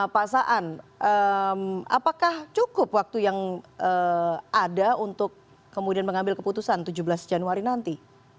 pak saan apakah cukup waktu yang ada untuk kemudian mengambil keputusan tujuh belas januari nanti